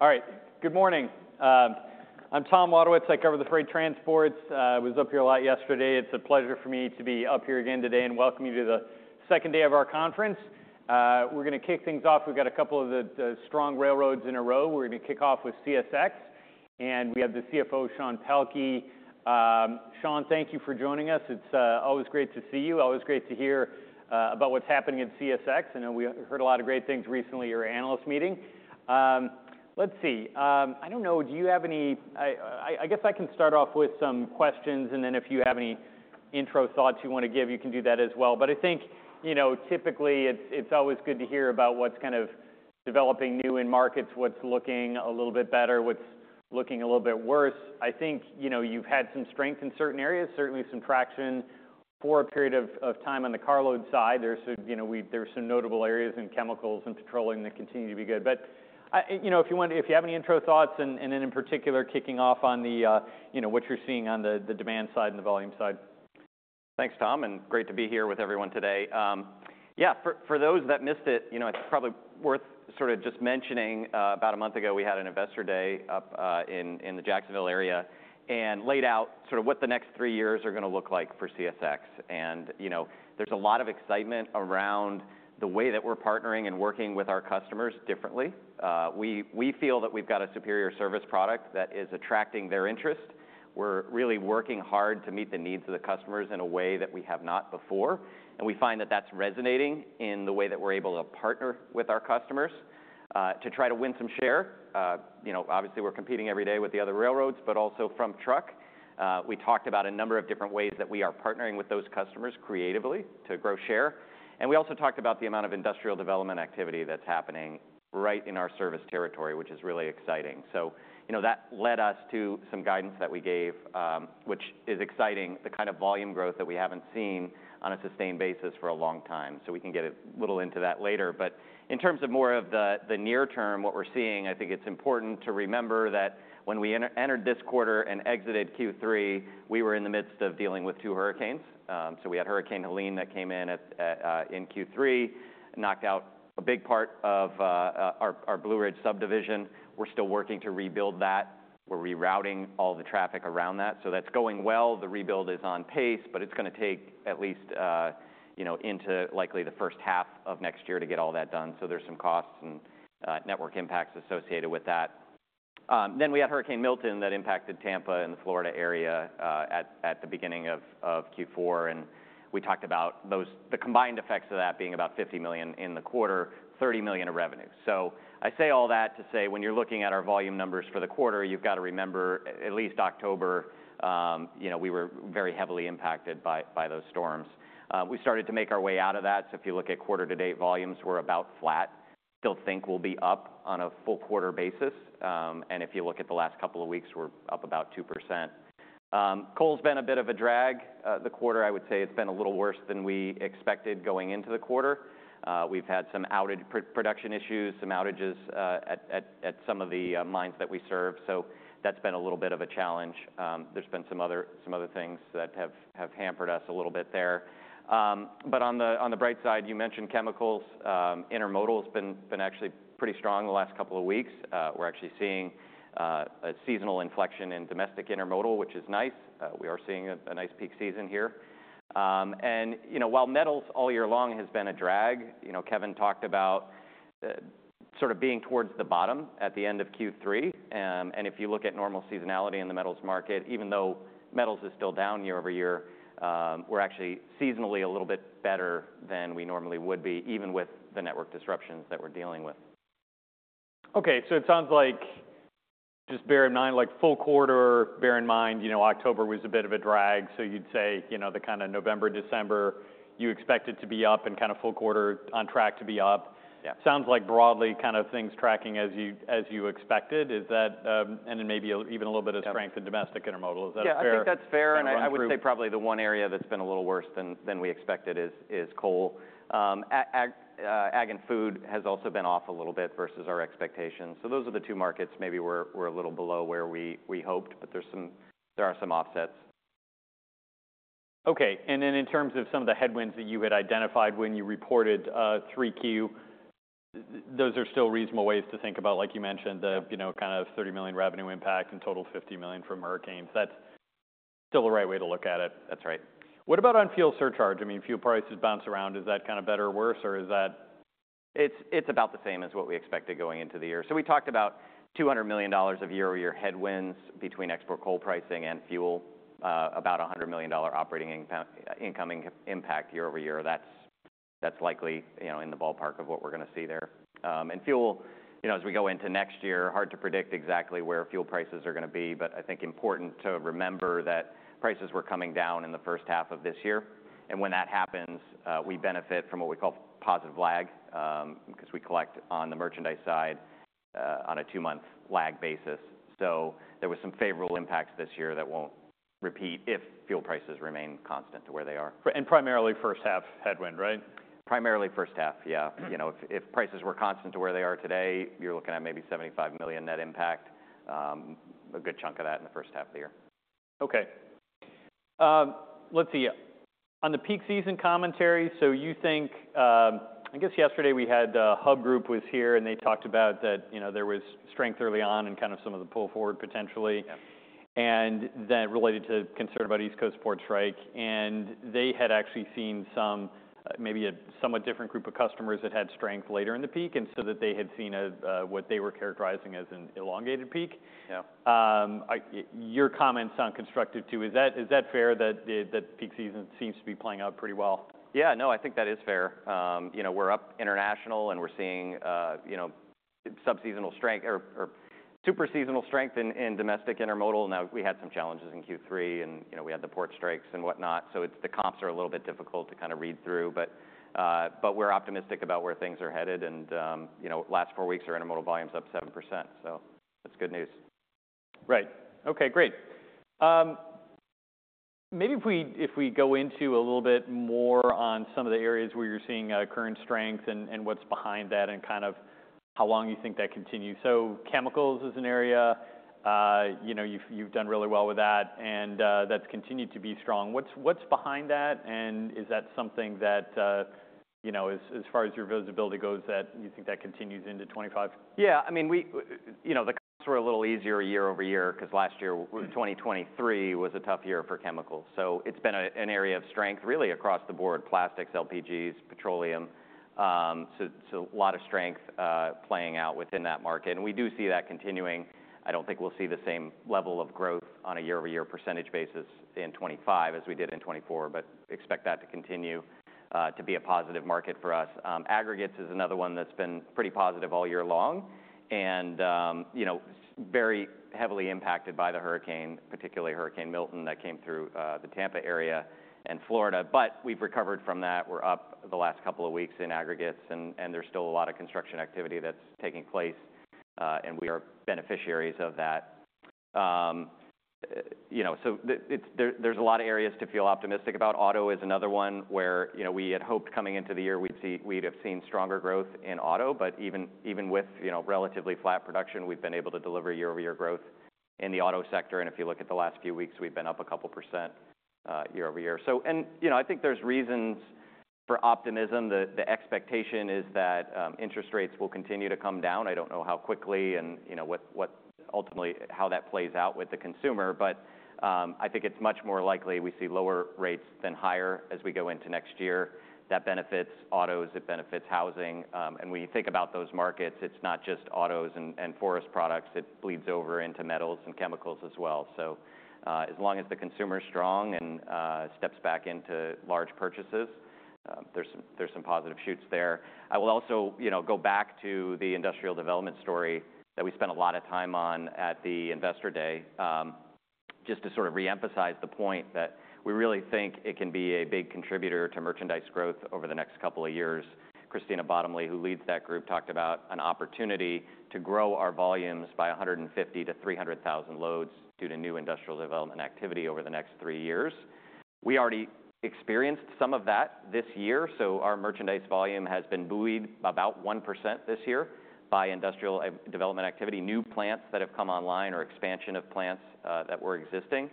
All right. Good morning. I'm Tom Wadowitz. I cover the freight transports. I was up here a lot yesterday. It's a pleasure for me to be up here again today and welcome you to the second day of our conference. We're going to kick things off. We've got a couple of the strong railroads in a row. We're going to kick off with CSX. And we have the CFO, Sean Pelkey. Sean, thank you for joining us. It's always great to see you. Always great to hear about what's happening at CSX. I know we heard a lot of great things recently at your analyst meeting. Let's see. I don't know, do you have any? I guess I can start off with some questions. And then if you have any intro thoughts you want to give, you can do that as well. But I think, you know, typically it's always good to hear about what's kind of developing new in markets, what's looking a little bit better, what's looking a little bit worse. I think, you know, you've had some strength in certain areas, certainly some traction for a period of time on the carload side. There's some notable areas in chemicals and petroleum that continue to be good. But, you know, if you want, if you have any intro thoughts, and then in particular kicking off on the, you know, what you're seeing on the demand side and the volume side. Thanks, Tom. And great to be here with everyone today. Yeah, for those that missed it, you know, it's probably worth sort of just mentioning about a month ago we had an investor day up in the Jacksonville area and laid out sort of what the next three years are going to look like for CSX. And, you know, there's a lot of excitement around the way that we're partnering and working with our customers differently. We feel that we've got a superior service product that is attracting their interest. We're really working hard to meet the needs of the customers in a way that we have not before. And we find that that's resonating in the way that we're able to partner with our customers to try to win some share. You know, obviously we're competing every day with the other railroads, but also from truck. We talked about a number of different ways that we are partnering with those customers creatively to grow share. And we also talked about the amount of industrial development activity that's happening right in our service territory, which is really exciting. So, you know, that led us to some guidance that we gave, which is exciting, the kind of volume growth that we haven't seen on a sustained basis for a long time. So we can get a little into that later. But in terms of more of the near term, what we're seeing, I think it's important to remember that when we entered this quarter and exited Q3, we were in the midst of dealing with two hurricanes. So we had Hurricane Helene that came in at Q3, knocked out a big part of our Blue Ridge Subdivision. We're still working to rebuild that. We're rerouting all the traffic around that. So that's going well. The rebuild is on pace, but it's going to take at least, you know, into likely the first half of next year to get all that done. So there's some costs and network impacts associated with that. Then we had Hurricane Milton that impacted Tampa and the Florida area at the beginning of Q4. And we talked about the combined effects of that being about $50 million in the quarter, $30 million of revenue. So I say all that to say when you're looking at our volume numbers for the quarter, you've got to remember at least October, you know, we were very heavily impacted by those storms. We started to make our way out of that. So if you look at quarter-to-date volumes, we're about flat. Still think we'll be up on a full quarter basis. If you look at the last couple of weeks, we're up about 2%. Coal's been a bit of a drag the quarter. I would say it's been a little worse than we expected going into the quarter. We've had some outage production issues, some outages at some of the mines that we serve. So that's been a little bit of a challenge. There's been some other things that have hampered us a little bit there. But on the bright side, you mentioned chemicals. Intermodal has been actually pretty strong the last couple of weeks. We're actually seeing a seasonal inflection in domestic intermodal, which is nice. We are seeing a nice peak season here. You know, while metals all year long has been a drag, you know, Kevin talked about sort of being towards the bottom at the end of Q3. If you look at normal seasonality in the metals market, even though metals is still down year-over-year, we're actually seasonally a little bit better than we normally would be, even with the network disruptions that we're dealing with. Okay. So it sounds like just bear in mind, like full quarter, bear in mind, you know, October was a bit of a drag. So you'd say, you know, the kind of November, December, you expected to be up and kind of full quarter on track to be up. Sounds like broadly kind of things tracking as you expected. Is that, and then maybe even a little bit of strength in domestic intermodal? Is that fair? Yeah, I think that's fair. And I would say probably the one area that's been a little worse than we expected is coal. Ag and food has also been off a little bit versus our expectations. So those are the two markets maybe we're a little below where we hoped, but there are some offsets. Okay. And then in terms of some of the headwinds that you had identified when you reported 3Q, those are still reasonable ways to think about, like you mentioned, the, you know, kind of $30 million revenue impact and total $50 million from hurricanes. That's still the right way to look at it. That's right. What about on fuel surcharge? I mean, fuel prices bounce around. Is that kind of better or worse, or is that? It's about the same as what we expected going into the year. So we talked about $200 million of year-over-year headwinds between export coal pricing and fuel, about $100 million operating income impact year-over-year. That's likely in the ballpark of what we're going to see there. And fuel, you know, as we go into next year, hard to predict exactly where fuel prices are going to be. But I think important to remember that prices were coming down in the first half of this year. And when that happens, we benefit from what we call positive lag because we collect on the merchandise side on a two-month lag basis. So there were some favorable impacts this year that won't repeat if fuel prices remain constant to where they are. Primarily first half headwind, right? Primarily first half, yeah. You know, if prices were constant to where they are today, you're looking at maybe $75 million net impact, a good chunk of that in the first half of the year. Okay. Let's see. On the peak season commentary, so you think, I guess yesterday we had Hub Group was here and they talked about that, you know, there was strength early on and kind of some of the pull forward potentially, and then related to concern about East Coast port strike, and they had actually seen some, maybe a somewhat different group of customers that had strength later in the peak, and so that they had seen what they were characterizing as an elongated peak. Your comments sound constructive too. Is that fair that peak season seems to be playing out pretty well? Yeah, no, I think that is fair. You know, we're up international and we're seeing, you know, subseasonal strength or super seasonal strength in domestic intermodal. Now we had some challenges in Q3 and, you know, we had the port strikes and whatnot. So the comps are a little bit difficult to kind of read through. But we're optimistic about where things are headed, and you know, last four weeks our intermodal volume's up 7%. So that's good news. Right. Okay, great. Maybe if we go into a little bit more on some of the areas where you're seeing current strength and what's behind that and kind of how long you think that continues. So chemicals is an area, you know, you've done really well with that and that's continued to be strong. What's behind that? And is that something that, you know, as far as your visibility goes, that you think that continues into 2025? Yeah, I mean, you know, the comps were a little easier year-over-year because last year, 2023 was a tough year for chemicals. So it's been an area of strength really across the board, plastics, LPGs, petroleum. So a lot of strength playing out within that market. And we do see that continuing. I don't think we'll see the same level of growth on a year-over-year percentage basis in 2025 as we did in 2024, but expect that to continue to be a positive market for us. Aggregates is another one that's been pretty positive all year long and, you know, very heavily impacted by the hurricane, particularly Hurricane Milton that came through the Tampa area and Florida. But we've recovered from that. We're up the last couple of weeks in aggregates and there's still a lot of construction activity that's taking place. And we are beneficiaries of that. You know, so there's a lot of areas to feel optimistic about. Auto is another one where, you know, we had hoped coming into the year we'd have seen stronger growth in auto. But even with, you know, relatively flat production, we've been able to deliver year-over-year growth in the auto sector. And if you look at the last few weeks, we've been up a couple% year-over-year. So, and, you know, I think there's reasons for optimism. The expectation is that interest rates will continue to come down. I don't know how quickly and, you know, what ultimately how that plays out with the consumer. But I think it's much more likely we see lower rates than higher as we go into next year. That benefits autos, it benefits housing. And when you think about those markets, it's not just autos and forest products. It bleeds over into metals and chemicals as well. As long as the consumer is strong and steps back into large purchases, there's some positive shoots there. I will also, you know, go back to the industrial development story that we spent a lot of time on at the investor day just to sort of reemphasize the point that we really think it can be a big contributor to merchandise growth over the next couple of years. Christina Bottomley, who leads that group, talked about an opportunity to grow our volumes by 150,000-300,000 loads due to new industrial development activity over the next three years. We already experienced some of that this year. Our merchandise volume has been buoyed about 1% this year by industrial development activity, new plants that have come online or expansion of plants that were existing.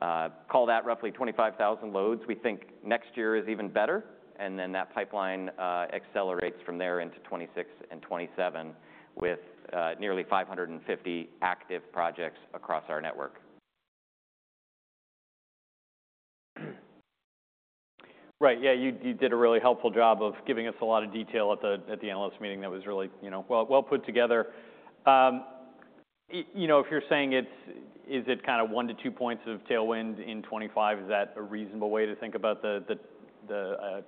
Call that roughly 25,000 loads. We think next year is even better, and then that pipeline accelerates from there into 2026 and 2027 with nearly 550 active projects across our network. Right. Yeah, you did a really helpful job of giving us a lot of detail at the analyst meeting that was really, you know, well put together. You know, if you're saying it's, is it kind of one to two points of tailwind in 2025? Is that a reasonable way to think about the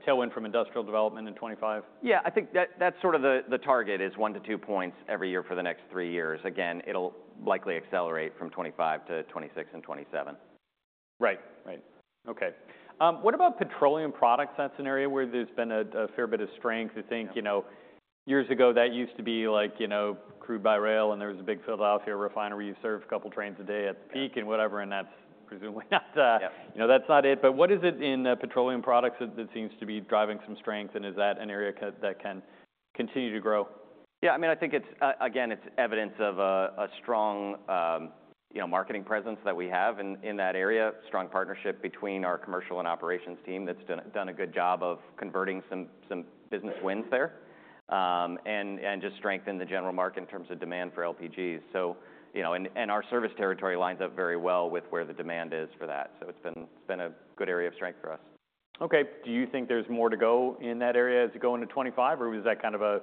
tailwind from industrial development in 2025? Yeah, I think that's sort of the target is one to two points every year for the next three years. Again, it'll likely accelerate from 2025 to 2026 and 2027. Right, right. Okay. What about petroleum products? That's an area where there's been a fair bit of strength. I think, you know, years ago that used to be like, you know, crude by rail and there was a big Philadelphia refinery. You served a couple trains a day at the peak and whatever. And that's presumably not, you know, that's not it. But what is it in petroleum products that seems to be driving some strength? And is that an area that can continue to grow? Yeah, I mean, I think it's, again, it's evidence of a strong, you know, marketing presence that we have in that area, strong partnership between our commercial and operations team that's done a good job of converting some business wins there and just strengthened the general market in terms of demand for LPGs. So, you know, and our service territory lines up very well with where the demand is for that. So it's been a good area of strength for us. Okay. Do you think there's more to go in that area as you go into 2025 or was that kind of a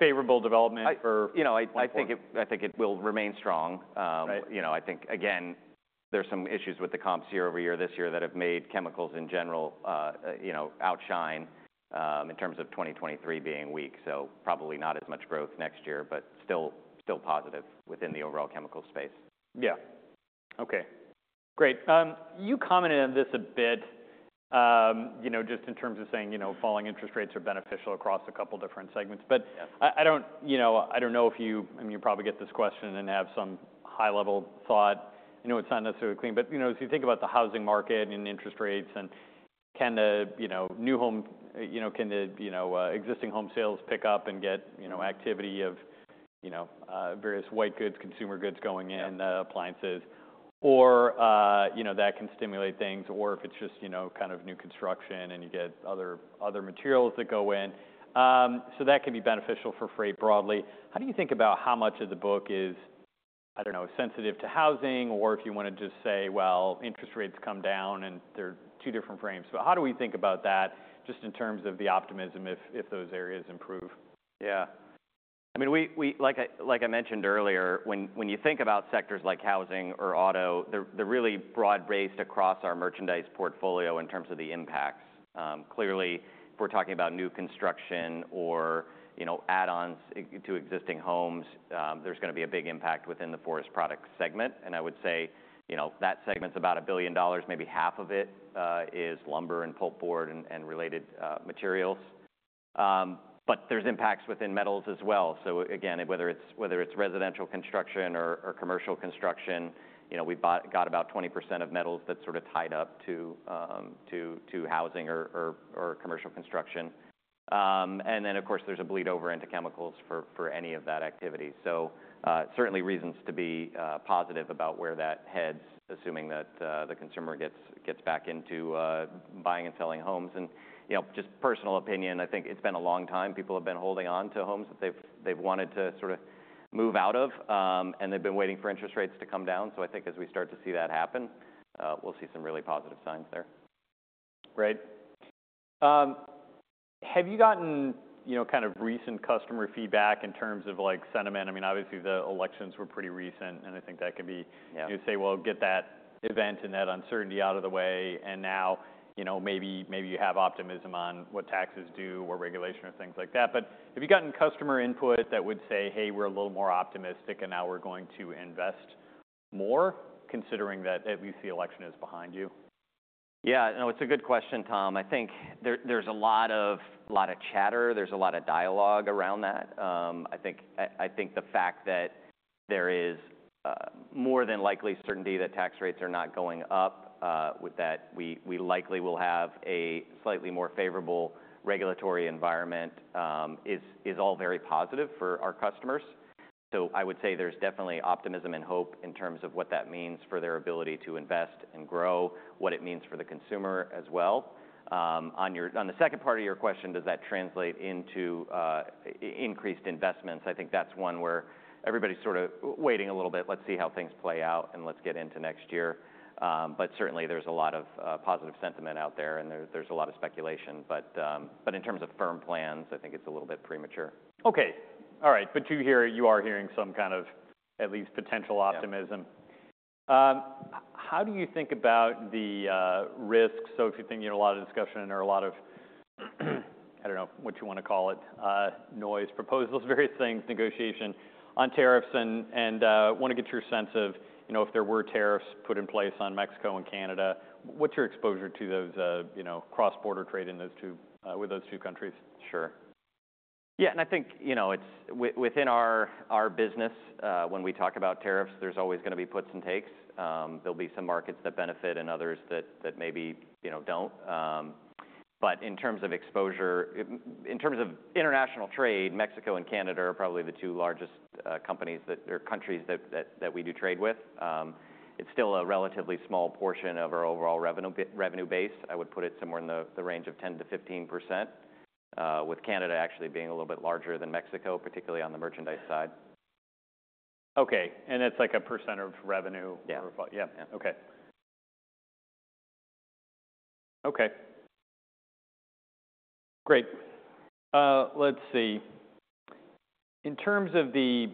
favorable development for? You know, I think it will remain strong. You know, I think, again, there's some issues with the comps year-over-year this year that have made chemicals in general, you know, outshine in terms of 2023 being weak. So probably not as much growth next year, but still positive within the overall chemical space. Yeah. Okay. Great. You commented on this a bit, you know, just in terms of saying, you know, falling interest rates are beneficial across a couple different segments. But I don't, you know, I don't know if you, I mean, you probably get this question and have some high-level thought. I know it's not necessarily clean, but, you know, as you think about the housing market and interest rates and can the, you know, new home, you know, can the, you know, existing home sales pick up and get, you know, activity of, you know, various white goods, consumer goods going in, appliances, or, you know, that can stimulate things or if it's just, you know, kind of new construction and you get other materials that go in. So that can be beneficial for freight broadly. How do you think about how much of the book is, I don't know, sensitive to housing or if you want to just say, well, interest rates come down and they're two different frames? But how do we think about that just in terms of the optimism if those areas improve? Yeah. I mean, like I mentioned earlier, when you think about sectors like housing or auto, they're really broad-based across our merchandise portfolio in terms of the impacts. Clearly, if we're talking about new construction or, you know, add-ons to existing homes, there's going to be a big impact within the forest product segment. And I would say, you know, that segment's about $1 billion. Maybe half of it is lumber and pulpboard and related materials. But there's impacts within metals as well. So again, whether it's residential construction or commercial construction, you know, we've got about 20% of metals that sort of tied up to housing or commercial construction. And then, of course, there's a bleed over into chemicals for any of that activity. So certainly reasons to be positive about where that heads, assuming that the consumer gets back into buying and selling homes. You know, just personal opinion, I think it's been a long time. People have been holding on to homes that they've wanted to sort of move out of. They've been waiting for interest rates to come down. I think as we start to see that happen, we'll see some really positive signs there. Right. Have you gotten, you know, kind of recent customer feedback in terms of like sentiment? I mean, obviously the elections were pretty recent and I think that can be, you say, well, get that event and that uncertainty out of the way. And now, you know, maybe you have optimism on what taxes do or regulation or things like that. But have you gotten customer input that would say, hey, we're a little more optimistic and now we're going to invest more considering that at least the election is behind you? Yeah, no, it's a good question, Tom. I think there's a lot of chatter. There's a lot of dialogue around that. I think the fact that there is more than likely certainty that tax rates are not going up, with that we likely will have a slightly more favorable regulatory environment is all very positive for our customers. So I would say there's definitely optimism and hope in terms of what that means for their ability to invest and grow, what it means for the consumer as well. On the second part of your question, does that translate into increased investments? I think that's one where everybody's sort of waiting a little bit. Let's see how things play out and let's get into next year. But certainly there's a lot of positive sentiment out there and there's a lot of speculation. But in terms of firm plans, I think it's a little bit premature. Okay. All right. But you hear, you are hearing some kind of at least potential optimism. How do you think about the risks? So if you think, you know, a lot of discussion or a lot of, I don't know what you want to call it, noise, proposals, various things, negotiation on tariffs and want to get your sense of, you know, if there were tariffs put in place on Mexico and Canada, what's your exposure to those, you know, cross-border trade in those two, with those two countries? Sure. Yeah, and I think, you know, it's within our business when we talk about tariffs, there's always going to be puts and takes. There'll be some markets that benefit and others that maybe, you know, don't. But in terms of exposure, in terms of international trade, Mexico and Canada are probably the two largest companies that are countries that we do trade with. It's still a relatively small portion of our overall revenue base. I would put it somewhere in the range of 10%-15% with Canada actually being a little bit larger than Mexico, particularly on the merchandise side. Okay. And that's like a percent of revenue? Yeah. Yeah. Okay. Okay. Great. Let's see. In terms of the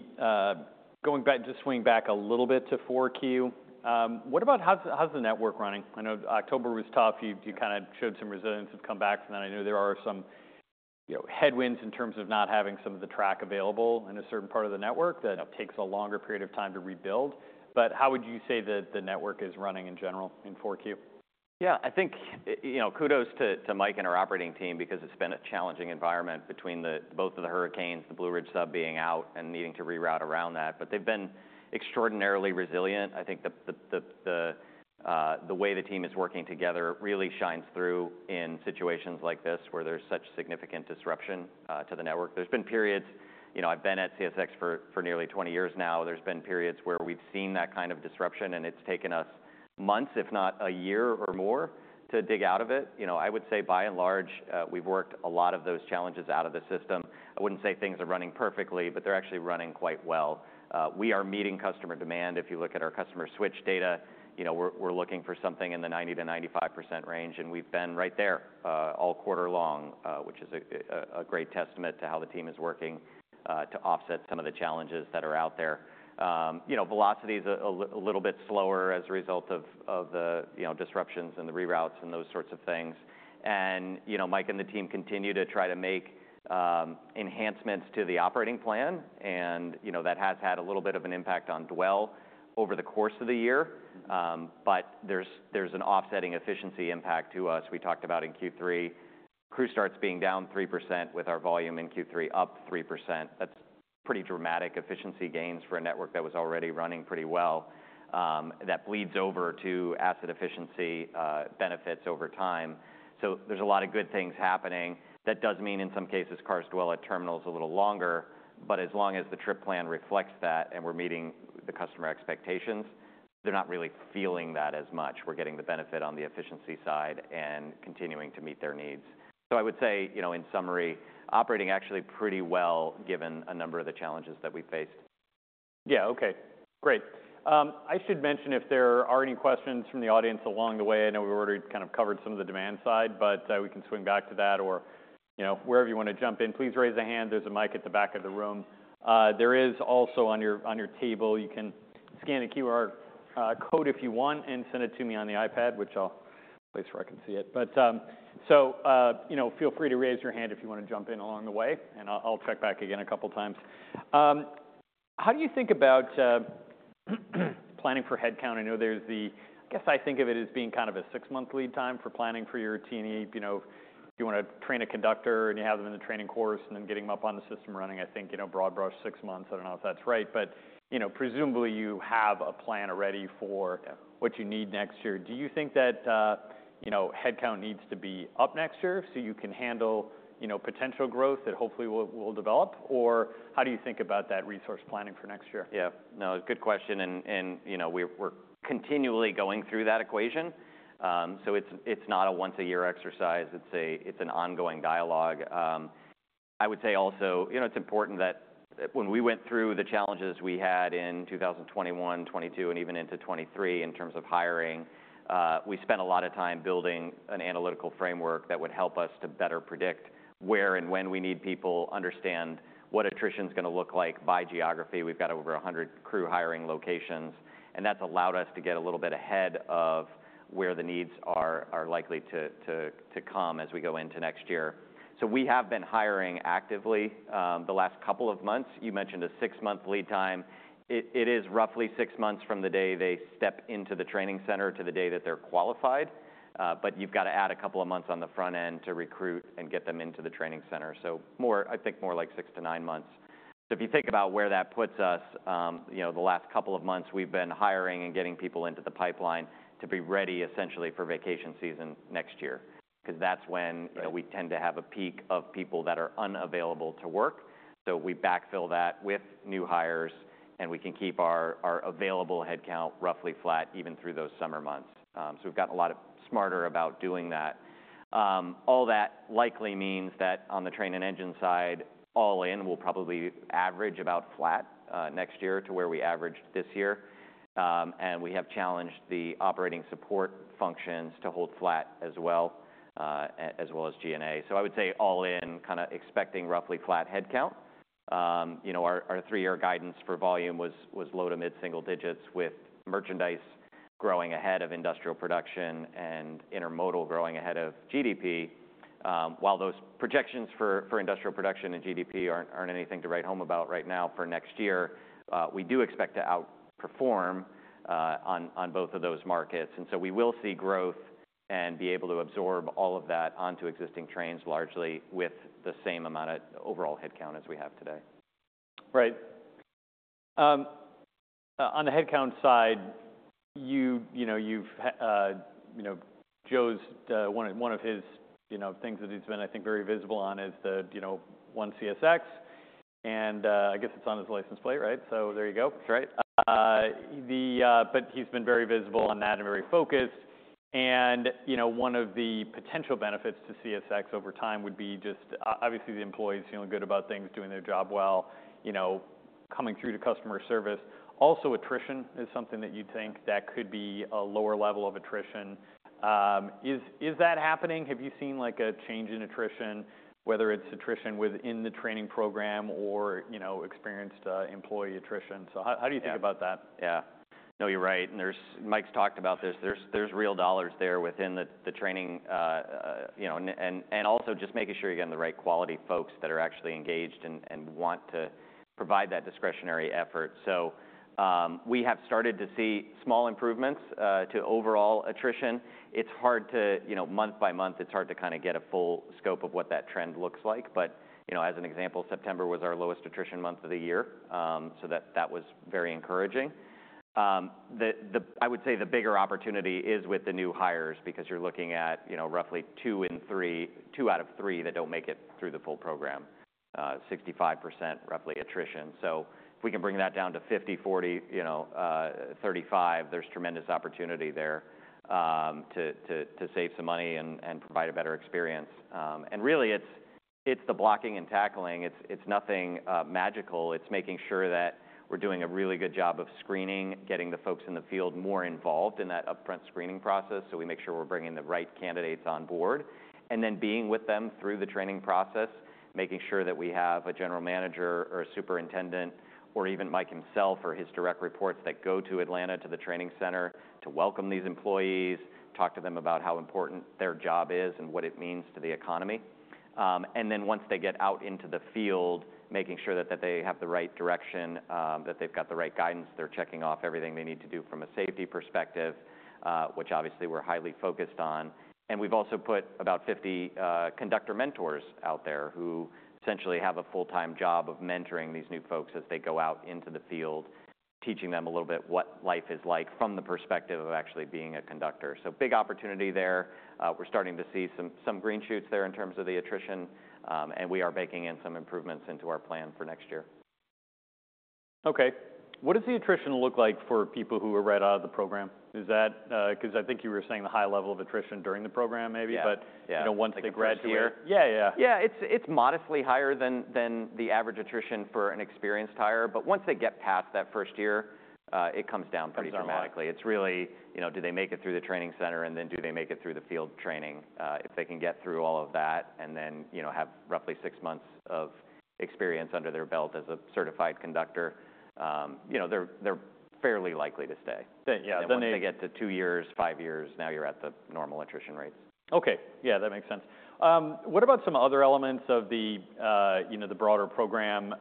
going back, just swinging back a little bit to 4Q, what about how's the network running? I know October was tough. You kind of showed some resilience have come back from that. I know there are some, you know, headwinds in terms of not having some of the track available in a certain part of the network that takes a longer period of time to rebuild. But how would you say that the network is running in general in 4Q? Yeah, I think, you know, kudos to Mike and our operating team because it's been a challenging environment between both of the hurricanes, the Blue Ridge sub being out and needing to reroute around that. But they've been extraordinarily resilient. I think the way the team is working together really shines through in situations like this where there's such significant disruption to the network. There's been periods, you know, I've been at CSX for nearly 20 years now. There's been periods where we've seen that kind of disruption and it's taken us months, if not a year or more to dig out of it. You know, I would say by and large, we've worked a lot of those challenges out of the system. I wouldn't say things are running perfectly, but they're actually running quite well. We are meeting customer demand. If you look at our customer switch data, you know, we're looking for something in the 90%-95% range. And we've been right there all quarter long, which is a great testament to how the team is working to offset some of the challenges that are out there. You know, velocity is a little bit slower as a result of the, you know, disruptions and the reroutes and those sorts of things. And, you know, Mike and the team continue to try to make enhancements to the operating plan. And, you know, that has had a little bit of an impact on dwell over the course of the year. But there's an offsetting efficiency impact to us. We talked about in Q3, crew starts being down 3% with our volume in Q3 up 3%. That's pretty dramatic efficiency gains for a network that was already running pretty well. That bleeds over to asset efficiency benefits over time. So there's a lot of good things happening. That does mean in some cases cars dwell at terminals a little longer. But as long as the trip plan reflects that and we're meeting the customer expectations, they're not really feeling that as much. We're getting the benefit on the efficiency side and continuing to meet their needs. So I would say, you know, in summary, operating actually pretty well given a number of the challenges that we faced. Yeah. Okay. Great. I should mention if there are any questions from the audience along the way. I know we've already kind of covered some of the demand side, but we can swing back to that or, you know, wherever you want to jump in. Please raise a hand. There's a mic at the back of the room. There is also on your table. You can scan a QR code if you want and send it to me on the iPad, which I'll place where I can see it. But so, you know, feel free to raise your hand if you want to jump in along the way and I'll check back again a couple of times. How do you think about planning for headcount? I know there's the. I guess I think of it as being kind of a six-month lead time for planning for your team. You know, if you want to train a conductor and you have them in the training course and then getting them up on the system running, I think, you know, broad brush six months. I don't know if that's right. But, you know, presumably you have a plan already for what you need next year. Do you think that, you know, headcount needs to be up next year so you can handle, you know, potential growth that hopefully will develop? Or how do you think about that resource planning for next year? Yeah. No, good question. And, you know, we're continually going through that equation. So it's not a once-a-year exercise. It's an ongoing dialogue. I would say also, you know, it's important that when we went through the challenges we had in 2021, 2022, and even into 2023 in terms of hiring, we spent a lot of time building an analytical framework that would help us to better predict where and when we need people, understand what attrition is going to look like by geography. We've got over a hundred crew hiring locations. And that's allowed us to get a little bit ahead of where the needs are likely to come as we go into next year. So we have been hiring actively the last couple of months. You mentioned a six-month lead time. It is roughly six months from the day they step into the training center to the day that they're qualified. But you've got to add a couple of months on the front end to recruit and get them into the training center. So more, I think more like six to nine months. So if you think about where that puts us, you know, the last couple of months we've been hiring and getting people into the pipeline to be ready essentially for vacation season next year because that's when we tend to have a peak of people that are unavailable to work. So we backfill that with new hires and we can keep our available headcount roughly flat even through those summer months. So we've gotten a lot smarter about doing that. All that likely means that on the train and engine side, all in, we'll probably average about flat next year to where we averaged this year. And we have challenged the operating support functions to hold flat as well, as well as G&A. So I would say all in, kind of expecting roughly flat headcount. You know, our three-year guidance for volume was low to mid single digits with merchandise growing ahead of industrial production and intermodal growing ahead of GDP. While those projections for industrial production and GDP aren't anything to write home about right now for next year, we do expect to outperform on both of those markets. And so we will see growth and be able to absorb all of that onto existing trains largely with the same amount of overall headcount as we have today. Right. On the headcount side, you know, you've, you know, Joe's, one of his, you know, things that he's been, I think, very visible on is the, you know, One CSX. And I guess it's on his license plate, right? So there you go. That's right. But he's been very visible on that and very focused. And, you know, one of the potential benefits to CSX over time would be just obviously the employees, you know, good about things, doing their job well, you know, coming through to customer service. Also, attrition is something that you'd think that could be a lower level of attrition. Is that happening? Have you seen like a change in attrition, whether it's attrition within the training program or, you know, experienced employee attrition? So how do you think about that? Yeah. No, you're right. And there's, Mike's talked about this. There's real dollars there within the training, you know, and also just making sure you're getting the right quality folks that are actually engaged and want to provide that discretionary effort. So we have started to see small improvements to overall attrition. It's hard to, you know, month by month, it's hard to kind of get a full scope of what that trend looks like. But, you know, as an example, September was our lowest attrition month of the year. So that was very encouraging. I would say the bigger opportunity is with the new hires because you're looking at, you know, roughly two in three, two out of three that don't make it through the full program, 65% roughly attrition. So if we can bring that down to 50, 40, you know, 35, there's tremendous opportunity there to save some money and provide a better experience. And really it's the blocking and tackling. It's nothing magical. It's making sure that we're doing a really good job of screening, getting the folks in the field more involved in that upfront screening process. So we make sure we're bringing the right candidates on board and then being with them through the training process, making sure that we have a general manager or a superintendent or even Mike himself or his direct reports that go to Atlanta to the training center to welcome these employees, talk to them about how important their job is and what it means to the economy. And then once they get out into the field, making sure that they have the right direction, that they've got the right guidance, they're checking off everything they need to do from a safety perspective, which obviously we're highly focused on. And we've also put about 50 conductor mentors out there who essentially have a full-time job of mentoring these new folks as they go out into the field, teaching them a little bit what life is like from the perspective of actually being a conductor. So big opportunity there. We're starting to see some green shoots there in terms of the attrition. And we are baking in some improvements into our plan for next year. Okay. What does the attrition look like for people who are right out of the program? Is that because I think you were saying the high level of attrition during the program maybe, but, you know, once they graduate? Yeah. Yeah. Yeah. It's modestly higher than the average attrition for an experienced hire. But once they get past that first year, it comes down pretty dramatically. It's really, you know, do they make it through the training center and then do they make it through the field training? If they can get through all of that and then, you know, have roughly six months of experience under their belt as a certified conductor, you know, they're fairly likely to stay. Yeah. Once they get to two years, five years, now you're at the normal attrition rates. Okay. Yeah. That makes sense. What about some other elements of the, you know, the broader program?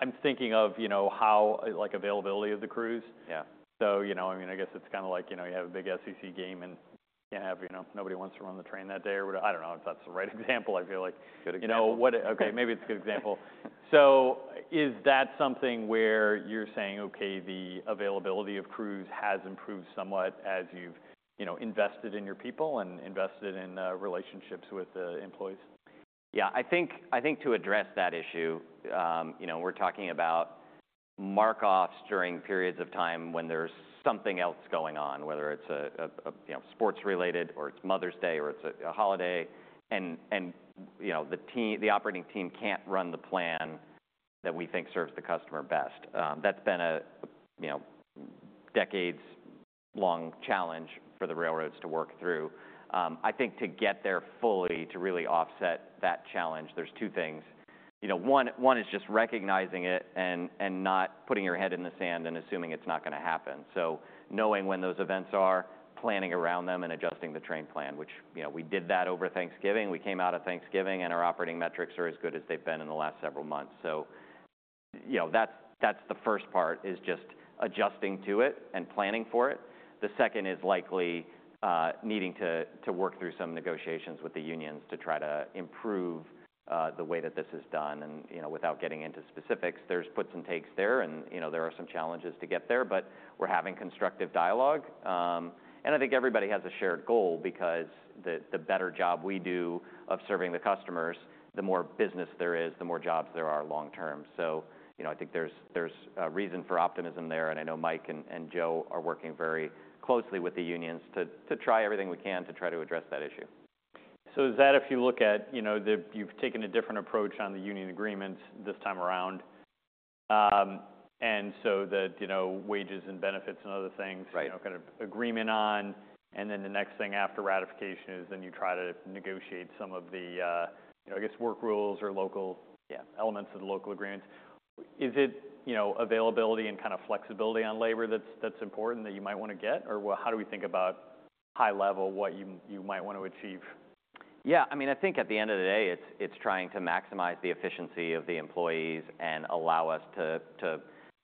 I'm thinking of, you know, how like availability of the crews. Yeah. So, you know, I mean, I guess it's kind of like, you know, you have a big SEC game and you have, you know, nobody wants to run the train that day or whatever. I don't know if that's the right example. I feel like, you know, okay, maybe it's a good example. So is that something where you're saying, okay, the availability of crews has improved somewhat as you've, you know, invested in your people and invested in relationships with the employees? Yeah. I think to address that issue, you know, we're talking about mark-offs during periods of time when there's something else going on, whether it's a, you know, sports-related or it's Mother's Day or it's a holiday and, you know, the team, the operating team can't run the plan that we think serves the customer best. That's been a, you know, decades-long challenge for the railroads to work through. I think to get there fully to really offset that challenge, there's two things. You know, one is just recognizing it and not putting your head in the sand and assuming it's not going to happen. So knowing when those events are, planning around them and adjusting the train plan, which, you know, we did that over Thanksgiving. We came out of Thanksgiving and our operating metrics are as good as they've been in the last several months. So, you know, that's the first part is just adjusting to it and planning for it. The second is likely needing to work through some negotiations with the unions to try to improve the way that this is done. And, you know, without getting into specifics, there's puts and takes there and, you know, there are some challenges to get there, but we're having constructive dialogue. And I think everybody has a shared goal because the better job we do of serving the customers, the more business there is, the more jobs there are long-term. So, you know, I think there's a reason for optimism there. And I know Mike and Joe are working very closely with the unions to try everything we can to try to address that issue. So is that if you look at, you know, you've taken a different approach on the union agreement this time around. And so the, you know, wages and benefits and other things, you know, kind of agreement on, and then the next thing after ratification is then you try to negotiate some of the, you know, I guess work rules or local elements of the local agreements. Is it, you know, availability and kind of flexibility on labor that's important that you might want to get? Or how do we think about high level what you might want to achieve? Yeah. I mean, I think at the end of the day, it's trying to maximize the efficiency of the employees and allow us to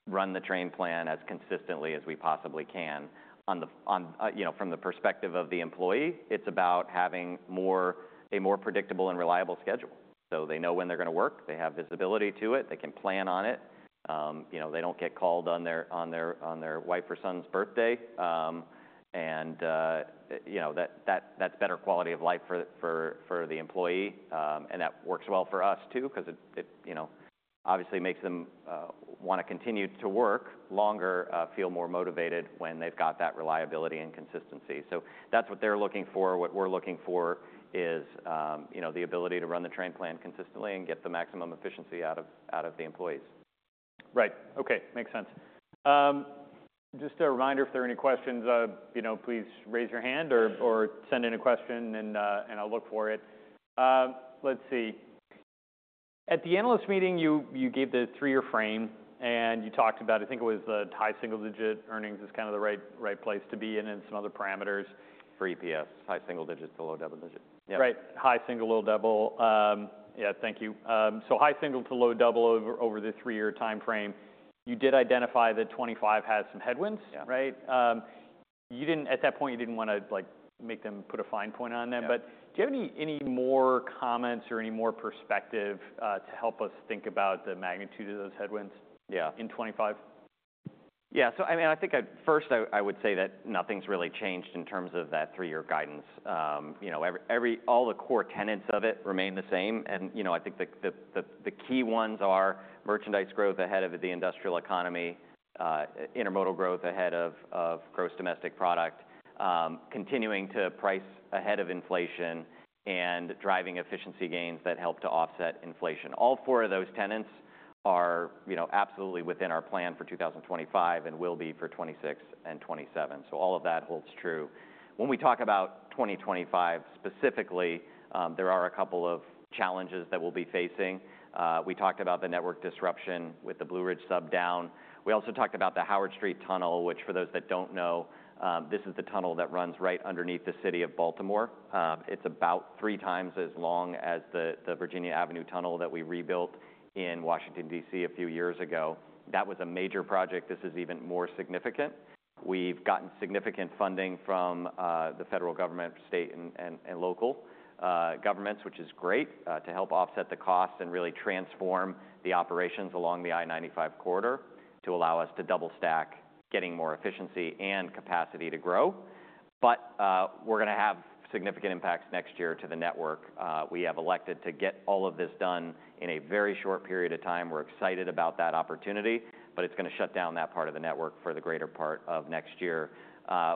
run the train plan as consistently as we possibly can. You know, from the perspective of the employee, it's about having a more predictable and reliable schedule, so they know when they're going to work. They have visibility to it. They can plan on it. You know, they don't get called on their wife or son's birthday, and you know, that's better quality of life for the employee, and that works well for us too because it, you know, obviously makes them want to continue to work longer, feel more motivated when they've got that reliability and consistency, so that's what they're looking for. What we're looking for is, you know, the ability to run the train plan consistently and get the maximum efficiency out of the employees. Right. Okay. Makes sense. Just a reminder, if there are any questions, you know, please raise your hand or send in a question and I'll look for it. Let's see. At the analyst meeting, you gave the three-year frame and you talked about, I think it was the high single digit earnings is kind of the right place to be in and some other parameters. For EPS, high single digit to low double digit. Right. High single, low double. Yeah. Thank you. So high single to low double over the three-year time frame. You did identify that 2025 has some headwinds, right? You didn't, at that point, you didn't want to like make them put a fine point on them. But do you have any more comments or any more perspective to help us think about the magnitude of those headwinds in 2025? Yeah. So I mean, I think first I would say that nothing's really changed in terms of that three-year guidance. You know, all the core tenets of it remain the same. And, you know, I think the key ones are merchandise growth ahead of the industrial economy, intermodal growth ahead of gross domestic product, continuing to price ahead of inflation and driving efficiency gains that help to offset inflation. All four of those tenets are, you know, absolutely within our plan for 2025 and will be for 2026 and 2027. So all of that holds true. When we talk about 2025 specifically, there are a couple of challenges that we'll be facing. We talked about the network disruption with the Blue Ridge sub down. We also talked about the Howard Street Tunnel, which for those that don't know, this is the tunnel that runs right underneath the city of Baltimore. It's about three times as long as the Virginia Avenue Tunnel that we rebuilt in Washington, D.C. a few years ago. That was a major project. This is even more significant. We've gotten significant funding from the federal government, state, and local governments, which is great to help offset the costs and really transform the operations along the I-95 Corridor to allow us to double stack, getting more efficiency and capacity to grow. But we're going to have significant impacts next year to the network. We have elected to get all of this done in a very short period of time. We're excited about that opportunity, but it's going to shut down that part of the network for the greater part of next year.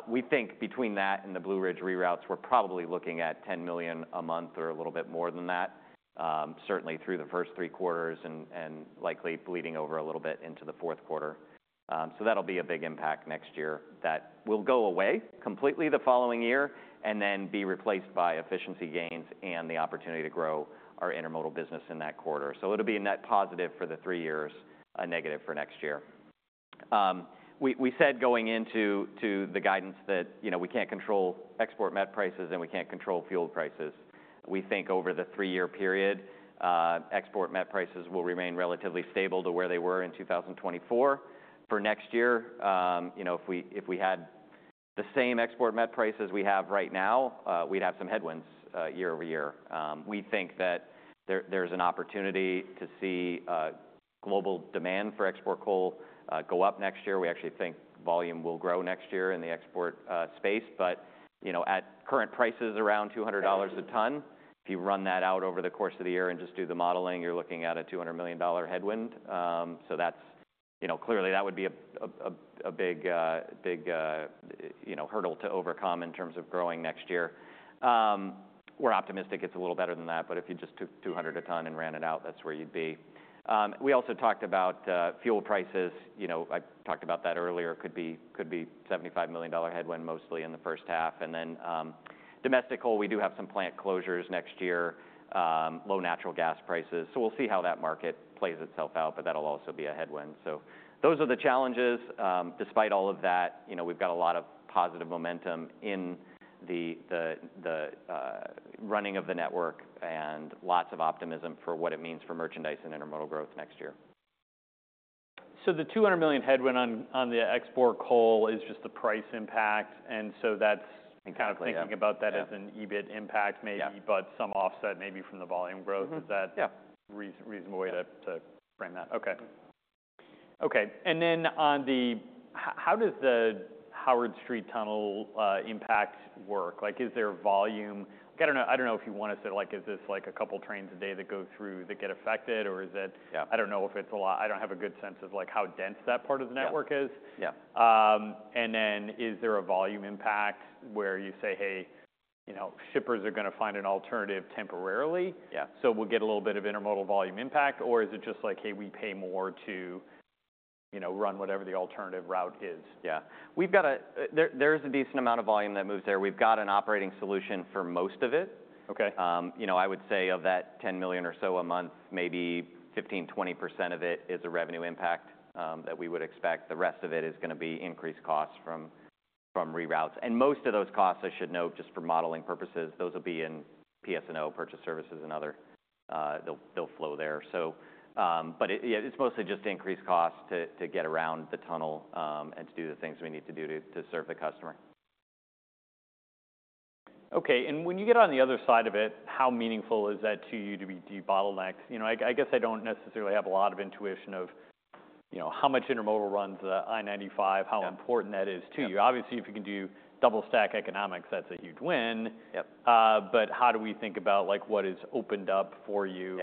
We think between that and the Blue Ridge reroutes, we're probably looking at $10 million a month or a little bit more than that, certainly through the first three quarters and likely bleeding over a little bit into the fourth quarter. So that'll be a big impact next year that will go away completely the following year and then be replaced by efficiency gains and the opportunity to grow our intermodal business in that quarter. So it'll be a net positive for the three years, a negative for next year. We said going into the guidance that, you know, we can't control export met prices and we can't control fuel prices. We think over the three-year period, export met prices will remain relatively stable to where they were in 2024. For next year, you know, if we had the same export met prices we have right now, we'd have some headwinds year-over-year. We think that there's an opportunity to see global demand for export coal go up next year. We actually think volume will grow next year in the export space. But, you know, at current prices around $200 a ton, if you run that out over the course of the year and just do the modeling, you're looking at a $200 million headwind. So that's, you know, clearly that would be a big, you know, hurdle to overcome in terms of growing next year. We're optimistic it's a little better than that, but if you just took $200 a ton and ran it out, that's where you'd be. We also talked about fuel prices. You know, I talked about that earlier. It could be $75 million headwind mostly in the first half. And then domestic coal, we do have some plant closures next year, low natural gas prices. So we'll see how that market plays itself out, but that'll also be a headwind. So those are the challenges. Despite all of that, you know, we've got a lot of positive momentum in the running of the network and lots of optimism for what it means for merchandise and intermodal growth next year. The $200 million headwind on the export coal is just the price impact. That's kind of thinking about that as an EBIT impact maybe, but some offset maybe from the volume growth. Is that a reasonable way to frame that? Okay. Okay. How does the Howard Street Tunnel impact work? Like, is there volume? I don't know if you want to say, like, is this like a couple trains a day that go through that get affected or is it, I don't know if it's a lot. I don't have a good sense of like how dense that part of the network is. Yeah. Is there a volume impact where you say, hey, you know, shippers are going to find an alternative temporarily? Yeah. So we'll get a little bit of intermodal volume impact? Or is it just like, hey, we pay more to, you know, run whatever the alternative route is? Yeah. We've got a, there's a decent amount of volume that moves there. We've got an operating solution for most of it. Okay. You know, I would say of that $10 million or so a month, maybe 15%-20% of it is a revenue impact that we would expect. The rest of it is going to be increased costs from reroutes. And most of those costs, I should note just for modeling purposes, those will be in PS&O, Purchased Services and Other, they'll flow there. So, but it's mostly just increased costs to get around the tunnel and to do the things we need to do to serve the customer. Okay. And when you get on the other side of it, how meaningful is that to you to be debottlenecking? You know, I guess I don't necessarily have a lot of intuition of, you know, how much intermodal runs the I-95, how important that is to you. Obviously, if you can do double stack economics, that's a huge win. Yep. But how do we think about like what is opened up for you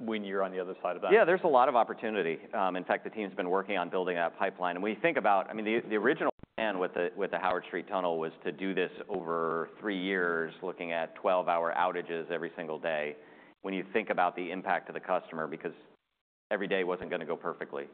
when you're on the other side of that? Yeah. There's a lot of opportunity. In fact, the team's been working on building that pipeline. And when you think about, I mean, the original plan with the Howard Street Tunnel was to do this over three years, looking at 12-hour outages every single day. When you think about the impact to the customer, because every day wasn't going to go perfectly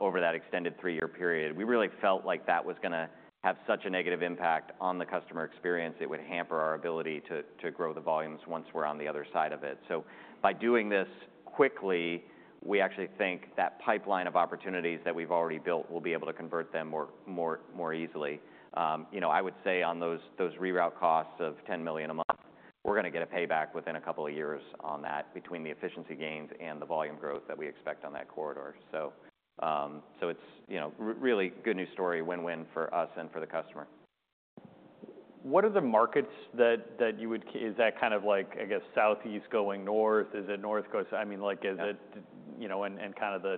over that extended three-year period, we really felt like that was going to have such a negative impact on the customer experience. It would hamper our ability to grow the volumes once we're on the other side of it. So by doing this quickly, we actually think that pipeline of opportunities that we've already built will be able to convert them more easily. You know, I would say on those reroute costs of $10 million a month, we're going to get a payback within a couple of years on that between the efficiency gains and the volume growth that we expect on that corridor. So it's, you know, really good news story, win-win for us and for the customer. What are the markets that you would, is that kind of like, I guess, southeast going north? Is it north coast? I mean, like, is it, you know, and kind of the,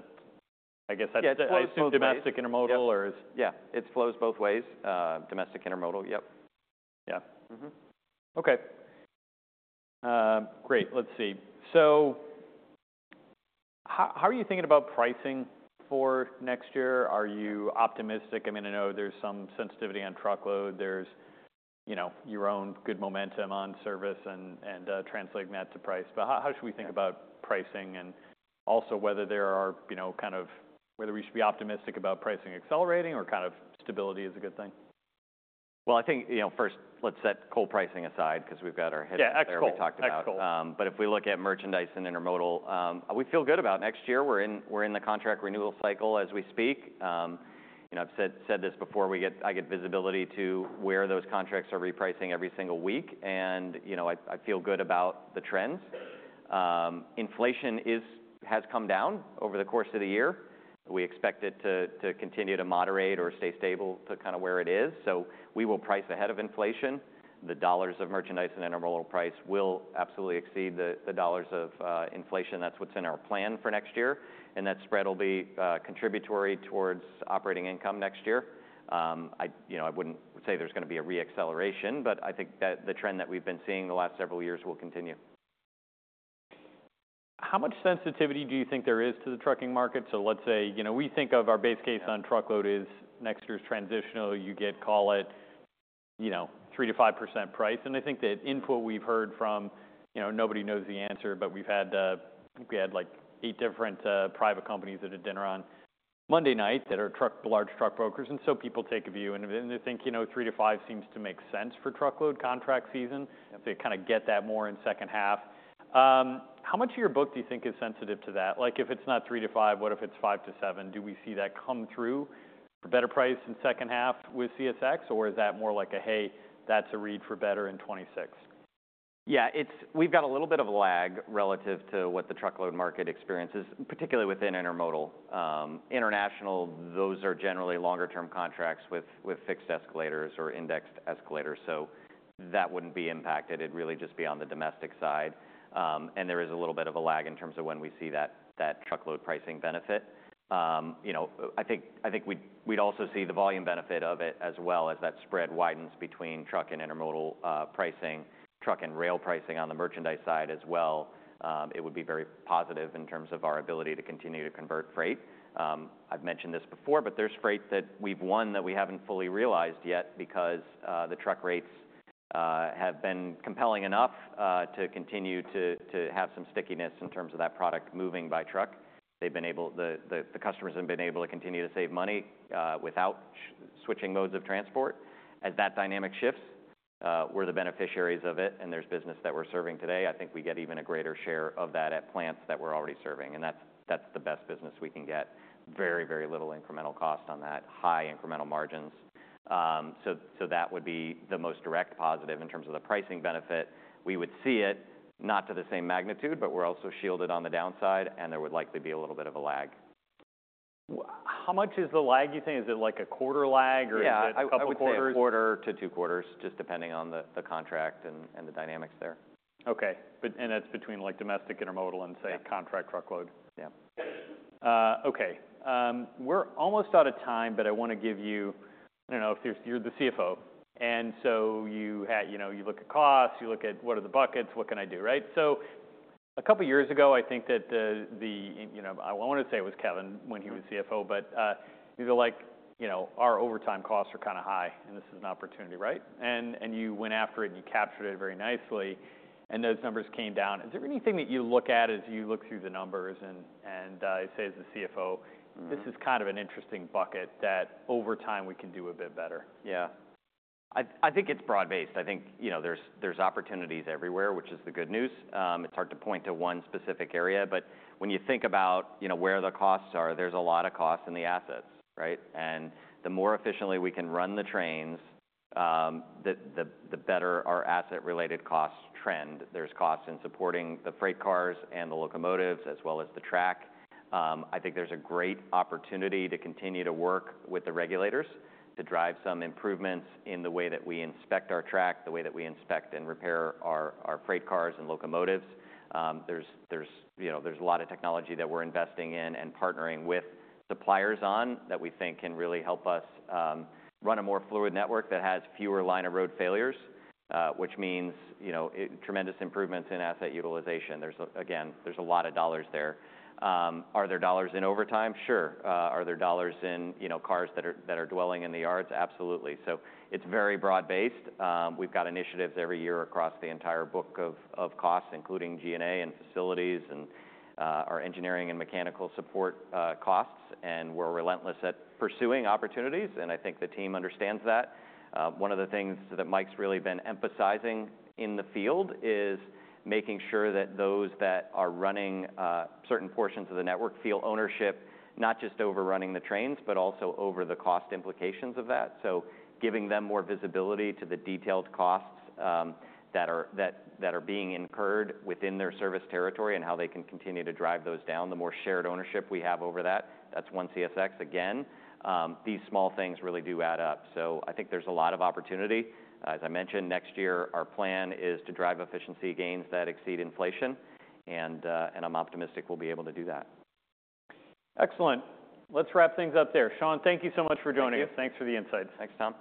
I guess that's flows to domestic intermodal or is? Yeah. It flows both ways. Domestic intermodal, yep. Yeah. Okay. Great. Let's see. So how are you thinking about pricing for next year? Are you optimistic? I mean, I know there's some sensitivity on truckload. There's, you know, your own good momentum on service and translating that to price. But how should we think about pricing and also whether there are, you know, kind of whether we should be optimistic about pricing accelerating or kind of stability is a good thing? I think, you know, first, let's set coal pricing aside because we've got our headwinds that we talked about. Yeah. Excellent. Excellent. But if we look at merchandise and intermodal, we feel good about next year. We're in the contract renewal cycle as we speak. You know, I've said this before. I get visibility to where those contracts are repricing every single week. And, you know, I feel good about the trends. Inflation has come down over the course of the year. We expect it to continue to moderate or stay stable to kind of where it is. So we will price ahead of inflation. The dollars of merchandise and intermodal price will absolutely exceed the dollars of inflation. That's what's in our plan for next year. And that spread will be contributory towards operating income next year. You know, I wouldn't say there's going to be a re-acceleration, but I think that the trend that we've been seeing the last several years will continue. How much sensitivity do you think there is to the trucking market? So let's say, you know, we think of our base case on truckload as next year's transitional. You get call it, you know, 3%-5% price. And I think that input we've heard from, you know, nobody knows the answer, but we've had, I think we had like eight different private companies at a dinner on Monday night that are large truck brokers. And so people take a view and they think, you know, 3%-5% seems to make sense for truckload contract season. They kind of get that more in second half. How much of your book do you think is sensitive to that? Like if it's not 3%-5%, what if it's 5%-7%? Do we see that come through for better price in second half with CSX? Or is that more like a, hey, that's a read for better in 2026? Yeah. It's, we've got a little bit of a lag relative to what the truckload market experiences, particularly within intermodal. International, those are generally longer-term contracts with fixed escalators or indexed escalators. So that wouldn't be impacted. It'd really just be on the domestic side. And there is a little bit of a lag in terms of when we see that truckload pricing benefit. You know, I think we'd also see the volume benefit of it as well as that spread widens between truck and intermodal pricing, truck and rail pricing on the merchandise side as well. It would be very positive in terms of our ability to continue to convert freight. I've mentioned this before, but there's freight that we've won that we haven't fully realized yet because the truck rates have been compelling enough to continue to have some stickiness in terms of that product moving by truck. They've been able, the customers have been able to continue to save money without switching modes of transport. As that dynamic shifts, we're the beneficiaries of it. And there's business that we're serving today. I think we get even a greater share of that at plants that we're already serving. And that's the best business we can get. Very, very little incremental cost on that, high incremental margins. So that would be the most direct positive in terms of the pricing benefit. We would see it not to the same magnitude, but we're also shielded on the downside and there would likely be a little bit of a lag. How much is the lag you think? Is it like a quarter lag or is it a couple quarters? Yeah. A quarter to two quarters, just depending on the contract and the dynamics there. Okay, and that's between like domestic intermodal and say contract truckload? Yeah. Okay. We're almost out of time, but I want to give you, I don't know if you're the CFO. And so you look at costs, you look at what are the buckets, what can I do, right? So a couple of years ago, I think that the, you know, I want to say it was Kevin when he was CFO, but he's like, you know, our overtime costs are kind of high and this is an opportunity, right? And you went after it and you captured it very nicely. And those numbers came down. Is there anything that you look at as you look through the numbers and say as the CFO, this is kind of an interesting bucket that over time we can do a bit better? Yeah. I think it's broad-based. I think, you know, there's opportunities everywhere, which is the good news. It's hard to point to one specific area, but when you think about, you know, where the costs are, there's a lot of costs in the assets, right? And the more efficiently we can run the trains, the better our asset-related cost trend. There's costs in supporting the freight cars and the locomotives as well as the track. I think there's a great opportunity to continue to work with the regulators to drive some improvements in the way that we inspect our track, the way that we inspect and repair our freight cars and locomotives. There's a lot of technology that we're investing in and partnering with suppliers on that we think can really help us run a more fluid network that has fewer line of road failures, which means, you know, tremendous improvements in asset utilization. There's, again, there's a lot of dollars there. Are there dollars in overtime? Sure. Are there dollars in, you know, cars that are dwelling in the yards? Absolutely. So it's very broad-based. We've got initiatives every year across the entire book of costs, including G&A and facilities and our engineering and mechanical support costs, and we're relentless at pursuing opportunities, and I think the team understands that. One of the things that Mike's really been emphasizing in the field is making sure that those that are running certain portions of the network feel ownership, not just overrunning the trains, but also over the cost implications of that. So giving them more visibility to the detailed costs that are being incurred within their service territory and how they can continue to drive those down. The more shared ownership we have over that, that's One CSX again. These small things really do add up. So I think there's a lot of opportunity. As I mentioned, next year our plan is to drive efficiency gains that exceed inflation. And I'm optimistic we'll be able to do that. Excellent. Let's wrap things up there. Sean, thank you so much for joining us. Thanks for the insights. Thanks, Tom.